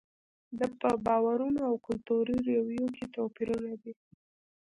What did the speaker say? دا په باورونو او کلتوري رویو کې توپیرونه دي.